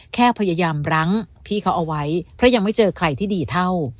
แค่พยายามรั้งพี่เขาเอาไว้เพราะยังไม่เจอใครที่ดีเท่า